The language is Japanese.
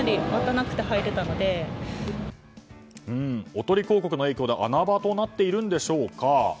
おとり広告の影響で穴場となっているんでしょうか。